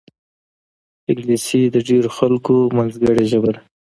انګلیسي د ډېرو خلکو منځګړې ژبه ده